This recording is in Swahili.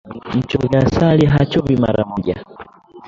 Mchovya asali hachovi mara moja